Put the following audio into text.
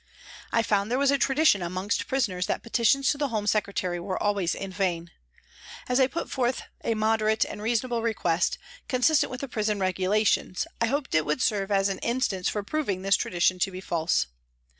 I found there was a tradition amongst prisoners that petitions to the Home Secretary were always in vain. As I put forward a moderate and reasonable request, consistent with the prison regulations, I hoped it would serve as an instance for proving this tradition to be false.